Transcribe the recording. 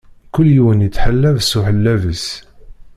Kul yiwen ittḥalab s uḥellab-is.